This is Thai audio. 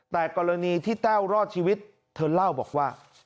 แต่กรณีที่แต้วรอดชีวิตเธอเล่าบอกว่า